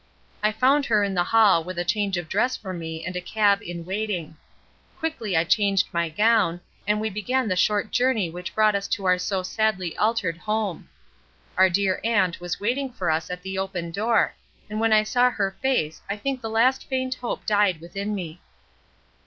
I found her in the hall with a change of dress for me and a cab in waiting. Quickly I changed my gown, and we began the short journey which brought us to our so sadly altered home. Our dear aunt was waiting for us at the open door, and when I saw her face I think the last faint hope died within me.